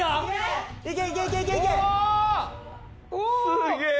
すげえ！